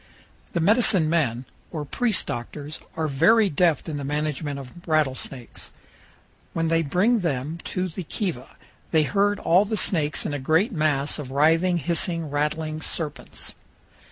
The medicine men, or priest doctors, are very deft in the management of rattlesnakes. When they bring them to the kiva they herd all the snakes in a great mass of writhing, hissing, rattling serpents.